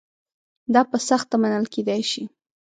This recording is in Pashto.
دا په سخته منل کېدای شي.